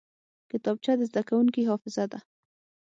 کتابچه د زده کوونکي حافظه ده